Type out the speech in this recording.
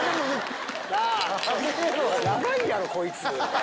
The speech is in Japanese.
ヤバいやろこいつ。